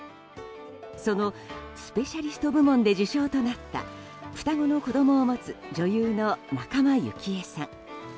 そのスペシャリスト部門で受賞となった双子の子供を持つ女優の仲間由紀恵さん。